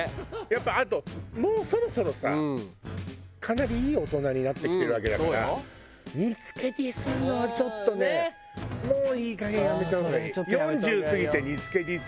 やっぱあともうそろそろさかなりいい大人になってきてるわけだから煮付けディスるのはちょっとねもういいかげんやめた方がいい。